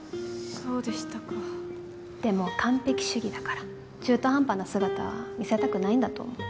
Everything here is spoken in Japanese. そうでしたかでも完璧主義だから中途半端な姿は見せたくないんだと思う